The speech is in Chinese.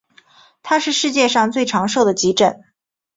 它是世界上最长寿的急诊。